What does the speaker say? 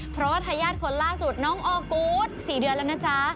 เพราะว่าทายาทคนล่าสุดน้องออกูธ๔เดือนแล้วนะจ๊ะ